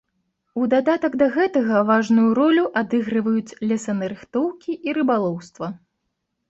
У дадатак да гэтага важную ролю адыгрываюць лесанарыхтоўкі і рыбалоўства.